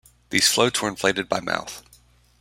These floats were inflated by mouth.